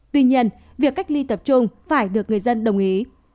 tuy nhiên việc cách ly tập trung phải được người dân đồng ý